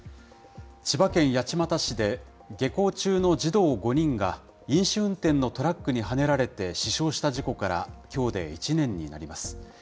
千葉県八街市で、下校中の児童５人が飲酒運転のトラックにはねられて死傷した事故からきょうで１年になります。